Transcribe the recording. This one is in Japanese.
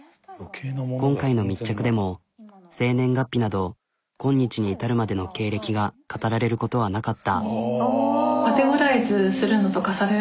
今回の密着でも生年月日など今日に至るまでの経歴が語られることはなかった。